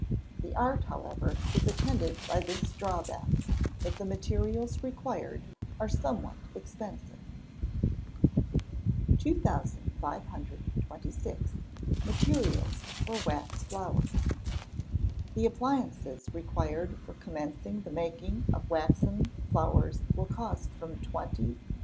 The art, however, is attended by this draw back that the materials required are somewhat expensive. 2526. Materials for Wax Flowers. The appliances required for commencing the making of waxen flowers will cost from 20s.